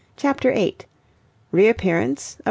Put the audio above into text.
CHAPTER VIII. REAPPEARANCE OF MR.